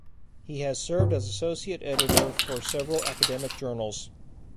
He has served as associate editor for several academic journals.